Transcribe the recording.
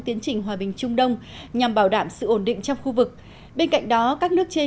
tiến trình hòa bình trung đông nhằm bảo đảm sự ổn định trong khu vực bên cạnh đó các nước trên